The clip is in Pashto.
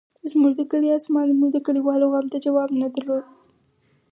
زموږ د کلي اسمان زموږ د کلیوالو غم ته جواب نه درلود.